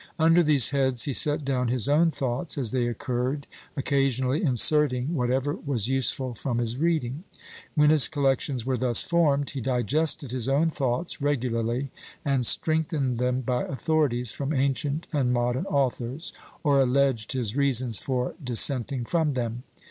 Under these heads he set down his own thoughts as they occurred, occasionally inserting whatever was useful from his reading. When his collections were thus formed, he digested his own thoughts regularly, and strengthened them by authorities from ancient and modern authors, or alleged his reasons for dissenting from them.